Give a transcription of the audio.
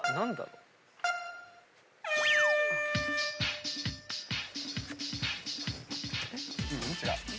ううん違う。